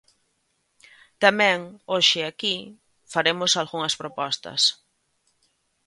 Tamén hoxe aquí faremos algunhas propostas.